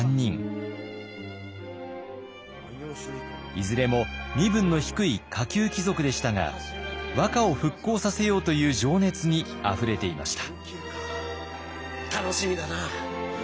いずれも身分の低い下級貴族でしたが和歌を復興させようという情熱にあふれていました。